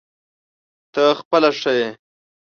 ته خپله ښه یې ؟